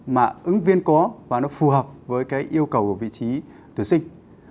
mà ứng viên có và nó phù hợp với cái yêu cầu của vị trí tuyển sinh